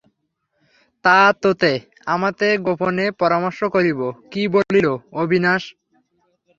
তা, তোতে আমাতে গোপনে পরামর্শ করিব, কী বলিল, অবিনাশ।